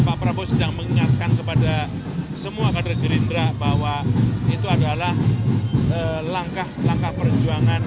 pak prabowo sedang mengingatkan kepada semua kader gerindra bahwa itu adalah langkah langkah perjuangan